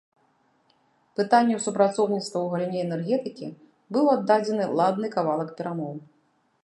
Пытанню супрацоўніцтва ў галіне энергетыкі быў аддадзены ладны кавалак перамоў.